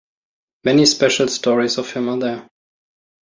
Many special stories of him are there.